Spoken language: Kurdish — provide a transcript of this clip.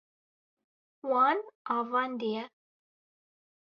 Wan avandiye.